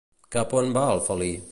Cap on va el felí?